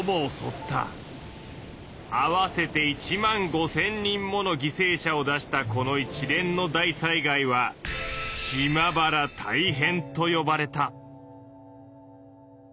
合わせて１万５，０００人もの犠牲者を出したこの一連の大災害は「島原大変」とよばれた。